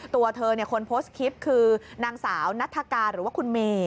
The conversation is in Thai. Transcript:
ตัวเธอคนโพสต์คลิปคือนางสาวนัฐกาหรือว่าคุณเมย์